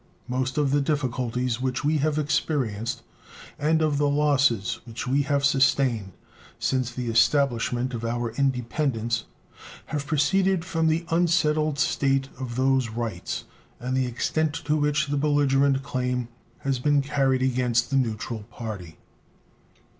Most of the difficulties which we have experienced and of the losses which we have sustained since the establishment of our independence have proceeded from the unsettled state of those rights and the extent to which the belligerent claim has been carried against the neutral party.